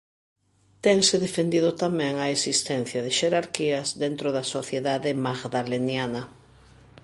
Tense defendido tamén a existencia de xerarquías dentro da sociedade magdaleniana.